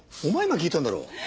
お前が聞いたんだろう。